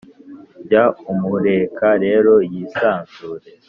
jya umureka rero yisanzure